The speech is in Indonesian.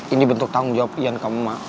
ini bentuk tanggung jawab yan ke ma